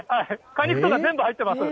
果肉とか全部入ってます。